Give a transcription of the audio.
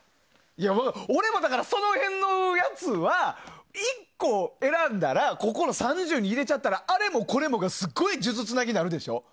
俺もだから、その辺のやつは１個選んだらここの３０に入れちゃったらあれもこれもが数珠つなぎになるでしょ。